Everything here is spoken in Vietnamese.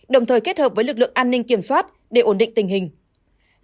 đồng thời kết hợp với lực lượng an ninh kiểm soát để ổn định tình hình